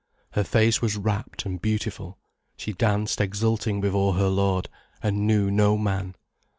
Her face was rapt and beautiful, she danced exulting before her Lord, and knew no man.